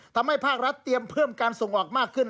ภาครัฐเตรียมเพิ่มการส่งออกมากขึ้น